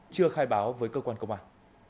chưa khai báo với cơ quan công an